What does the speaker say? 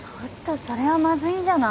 それはまずいんじゃない？